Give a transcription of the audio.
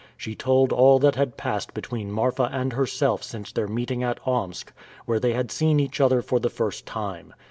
She told all that had passed between Marfa and herself since their meeting at Omsk, where they had seen each other for the first time.